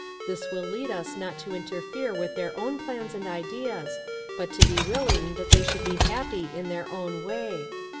This will lead us not to interfere with their own plans and ideas, but to be willing that they should be happy in their own way.